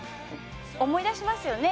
思い出しますよね。